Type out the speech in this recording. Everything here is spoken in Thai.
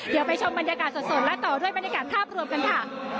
เดี๋ยวไปชมบรรยากาศสดและต่อด้วยบรรยากาศภาพรวมกันค่ะ